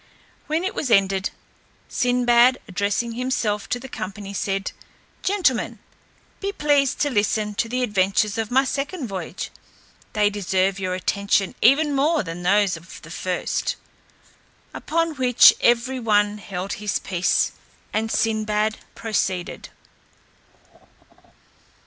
When it was ended, Sinbad, addressing himself to the company, said, "Gentlemen, be pleased to listen to the adventures of my second voyage; they deserve your attention even more than those of the first." Upon which every one held his peace, and Sinbad proceeded.